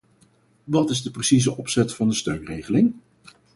Wat is de precieze opzet van de steunregeling?